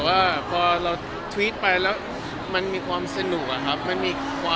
โอเคค่ะแต่ทว็ิตไปแล้วมันมีความสนุกเหอะค่ะ